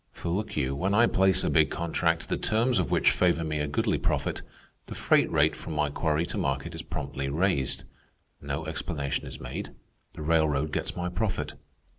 For look you, when I place a big contract, the terms of which favor me a goodly profit, the freight rate from my quarry to market is promptly raised. No explanation is made. The railroad gets my profit.